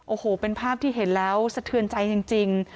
โอ้โหเป็นภาพที่เห็นแล้วสะเทือนใจจริง